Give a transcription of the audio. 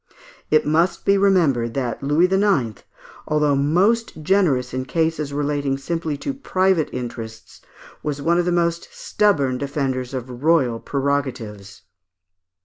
It must be remembered that Louis IX., although most generous in cases relating simply to private interests, was one of the most stubborn defenders of royal prerogatives.